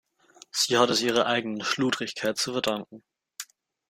Sie hat es ihrer eigenen Schludrigkeit zu verdanken.